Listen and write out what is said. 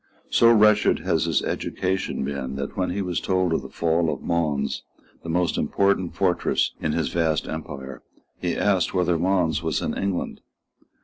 So wretched had his education been that, when he was told of the fall of Mons, the most important fortress in his vast empire, he asked whether Mons was in England.